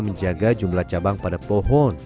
menjaga jumlah cabang pada pohon